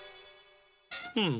うん。